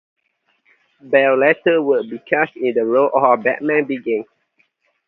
Bale later would be cast in the role for "Batman Begins".